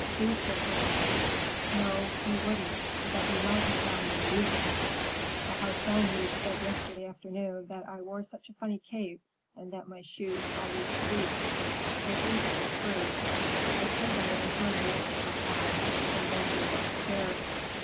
Thea shook her head. "No, you wouldn't, but you might have found me amusing. The Harsanyis said yesterday afternoon that I wore such a funny cape and that my shoes always squeaked. They think I've improved. I told them it was your doing if I had, and then they looked scared."